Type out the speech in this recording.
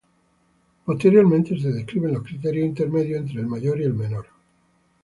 Posteriormente, se describen los criterios intermedios entre el mayor y el menor.